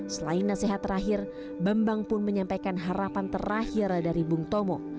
selain nasihat terakhir bambang pun menyampaikan harapan terakhir dari bung tomo